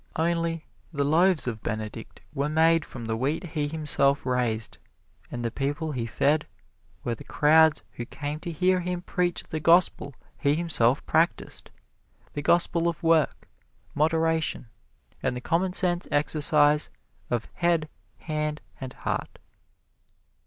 Only the loaves of Benedict were made from the wheat he himself raised, and the people he fed were the crowds who came to hear him preach the gospel he himself practised the gospel of work, moderation and the commonsense exercise of head, hand and heart.